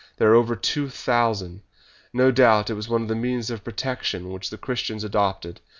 "There are over two thousand. No doubt it was one of the means of protection which the Christians adopted.